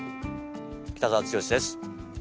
北澤豪です。